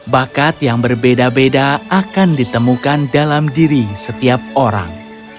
bakat yang berbeda beda akan ditemukan dalam diri setiap orang